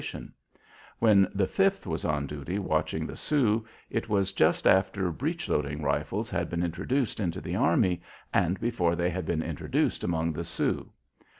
When the Fifth was on duty watching the Sioux, it was just after breech loading rifles had been introduced into the army, and before they had been introduced among the Sioux.